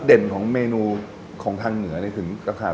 จุดเด่นของเมนูของทางเหนือเนี่ยถึงกระขาด